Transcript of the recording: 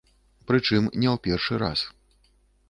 Прычым не ў першы раз.